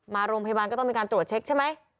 มาโรงพยาบาลก็ต้องมีการตรวจเช็คใช่ไหม